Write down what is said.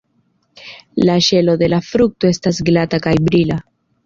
La ŝelo de la frukto estas glata kaj brila.